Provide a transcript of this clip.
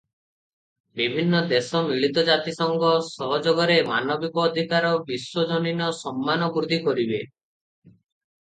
ବିଭିନ୍ନ ଦେଶ ମିଳିତ ଜାତିସଂଘ ସହଯୋଗରେ ମାନବିକ ଅଧିକାର ବିଶ୍ୱଜନୀନ ସମ୍ମାନ ବୃଦ୍ଧିକରିବେ ।